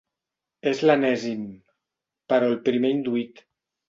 És l'enèsim, però el primer induït.